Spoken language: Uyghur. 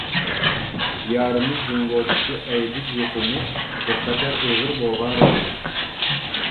دىيارىمىز جۇڭگودىكى ئەيدىز يۇقۇمى بىرقەدەر ئېغىر بولغان رايون.